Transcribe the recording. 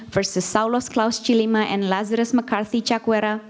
versus saulus klaus cilima dan lazarus mccarthy cakwera